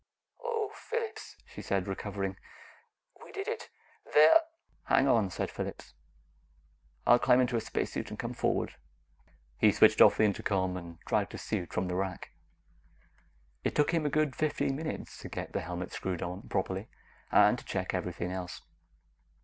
"Oh, Phillips," she said, recovering, "we did it. They're " "Hang on," said Phillips. "I'll climb into a spacesuit and come forward." He switched off the intercom and dragged a suit from the rack. It took him a good fifteen minutes to get the helmet screwed on properly and to check everything else.